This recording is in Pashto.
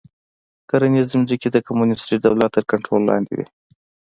کرنیزې ځمکې د کمونېستي دولت تر کنټرول لاندې وې